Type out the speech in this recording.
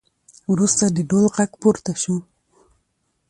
وروسته د ډول غږ پورته شو